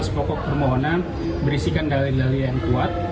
sepokok permohonan berisikan dalil dalil yang kuat